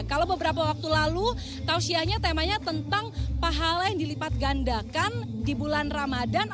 kalau beberapa waktu lalu tausiahnya temanya tentang pahala yang dilipat gandakan di bulan ramadan